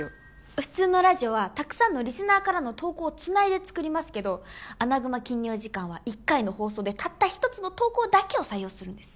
普通のラジオはたくさんのリスナーからの投稿を繋いで作りますけど『アナグマ禁猟時間』は一回の放送でたった一つの投稿だけを採用するんです。